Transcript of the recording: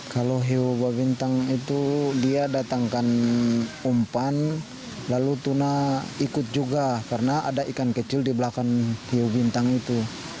kalau hiu babintang itu dia datangkan umpan lalu tuna ikut juga karena ada ikan kecil di belakang hiu bintang itu